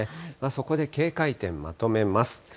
そこで警戒点、まとめます。